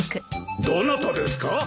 どなたですか？